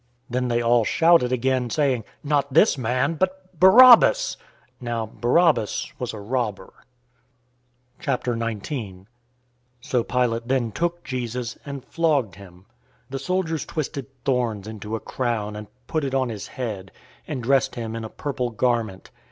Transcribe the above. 018:040 Then they all shouted again, saying, "Not this man, but Barabbas!" Now Barabbas was a robber. 019:001 So Pilate then took Jesus, and flogged him. 019:002 The soldiers twisted thorns into a crown, and put it on his head, and dressed him in a purple garment.